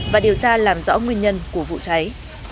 và điều tra làm rõ nguyên nhân của vụ cháy